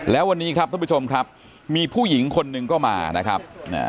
แล้ววันนี้ครับท่านผู้ชมครับมีผู้หญิงคนหนึ่งก็มานะครับ